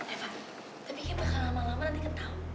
eva tapi kayaknya bakal lama lama nanti ketahuan kaya emas